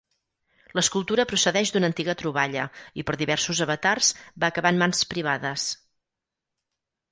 L'escultura procedeix d'una antiga troballa i per diversos avatars va acabar en mans privades.